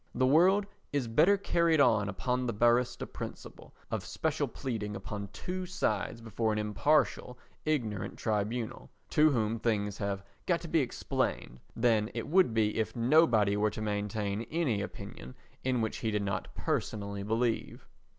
The world is better carried on upon the barrister principle of special pleading upon two sides before an impartial ignorant tribunal, to whom things have got to be explained, than it would be if nobody were to maintain any opinion in which he did not personally believe.